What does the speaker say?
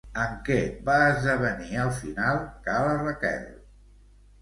En què va esdevenir al final Ca la Raquel?